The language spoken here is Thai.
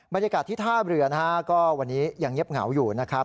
บรรยากาศที่ท่าเรือนะฮะก็วันนี้ยังเงียบเหงาอยู่นะครับ